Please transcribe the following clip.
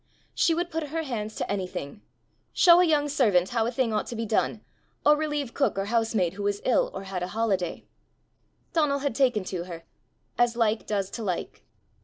She would put her hands to anything show a young servant how a thing ought to be done, or relieve cook or housemaid who was ill or had a holiday. Donal had taken to her, as like does to like.